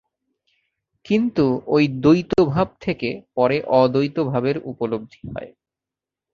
কিন্তু ঐ দ্বৈতভাব থেকে পরে অদ্বৈতভাবের উপলব্ধি হয়।